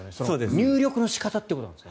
入力の仕方ということですね。